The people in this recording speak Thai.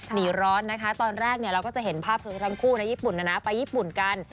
หนีร้อนนะคะตอนแรกเราก็จะเห็นภาพทั้งคู่นะญี่ปุ่นนะนะไปญี่ปุ่นกัน